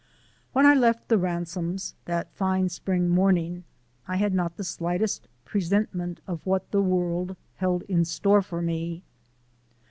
When I left the Ransomes that fine spring morning, I had not the slightest presentiment of what the world held in store for me.